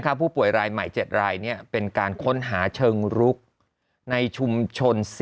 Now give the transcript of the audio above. ผู้ป่วยรายใหม่๗รายเป็นการค้นหาเชิงรุกในชุมชน๔